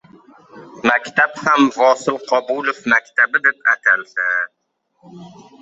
Maktab ham «Vosil Qobulov maktabi» deb atalsa.